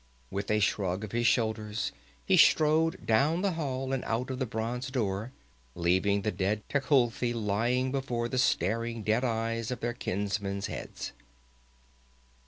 With a shrug of his shoulders he strode down the hall and out of the bronze door, leaving the dead Tecuhltli lying before the staring dead eyes of their kinsmen's heads.